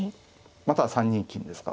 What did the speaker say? または３二金ですか。